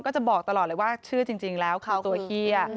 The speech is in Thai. ก็จะบอกตลอดเลยว่าชื่อจริงแล้วคือตัวเฮีย